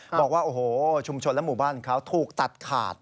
บอกว่าโอ้โหชุมชนและหมู่บ้านเขาถูกตัดขาด